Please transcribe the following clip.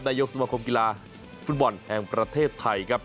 นายกสมคมกีฬาฟุตบอลแห่งประเทศไทยครับ